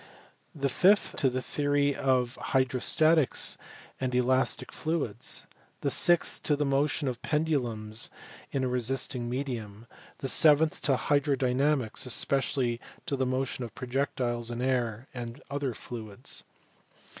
The fifth to the theory of hydrostatics and elastic fluids. The sixth to the motion of pendulums in a resisting medium. The seventh to hydro dynamics, and especially to the motion of projectiles in air and other fluids.